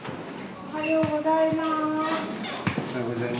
おはようございます。